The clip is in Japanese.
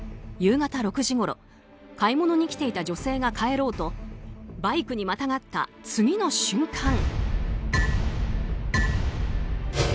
夕方６時ごろ買い物に来ていた女性が帰ろうとバイクにまたがった次の瞬間。